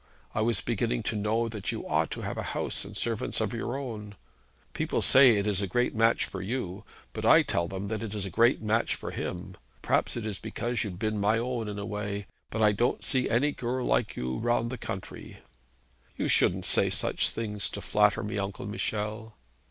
I was beginning to know that you ought to have a house and servants of your own. People say that it is a great match for you; but I tell them that it is a great match for him. Perhaps it is because you've been my own in a way, but I don't see any girl like you round the country.' 'You shouldn't say such things to flatter me, Uncle Michel.'